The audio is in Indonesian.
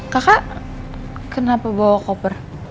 kakak kenapa bawa koper